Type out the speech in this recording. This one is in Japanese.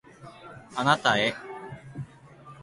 あなたへ